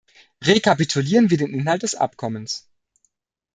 Rekapitulieren wir den Inhalt des Abkommens.